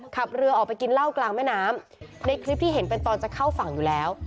ขับเรือออกไปกินเหล้ากลางแม่น้ำในคลิปที่เห็นเป็นตอนจะเข้าฝั่งอยู่แล้ว